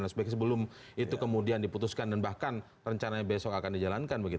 sebagainya sebelum itu kemudian diputuskan dan bahkan rencananya besok akan dijalankan